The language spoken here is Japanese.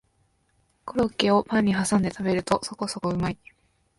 コロッケをパンにはさんで食べるとそこそこうまい